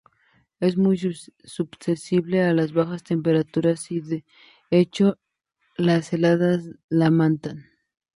Es muy susceptible a las bajas temperaturas y, de hecho, las heladas la matan.